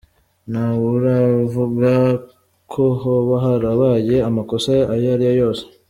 Ntawuravuga ko hoba harabaye amakosa ayo ari yo yose.